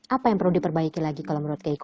apa yang perlu diperbaiki lagi kalau menurut kiai